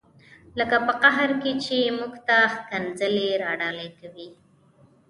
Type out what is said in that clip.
لکه په قهر کې چې موږ ته ښکنځلې را ډالۍ کوي.